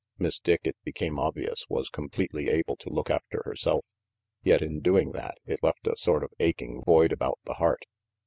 Miss Dick, it became obvious, was completely able to look after herself. Yet, in doing that, it left a sort of aching void about the heart.